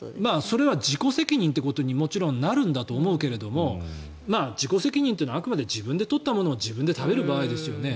それは自己責任ってことにもちろんなるんだろうけど自己責任というのは、あくまで自分で取ったものを自分で食べる場合ですよね。